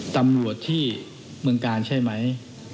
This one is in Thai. ตำรวจที่เมืองกาลใช่ไหม